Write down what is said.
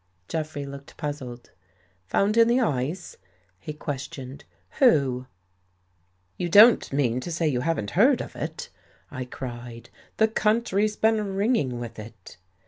Jeffrey looked puzzled. "Found in the ice?" he questioned. "Who?" " You don't mean to say you haven't heard of it! " I cried. " The country's been ringing with it."